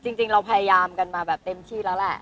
จริงเราพยายามกันมาแบบเต็มที่แล้วแหละ